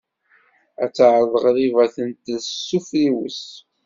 Ad teɛreḍ ɣriba ad ten-tels s ufriwes